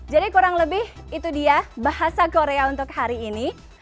jadi kurang lebih itu dia bahasa korea untuk hari ini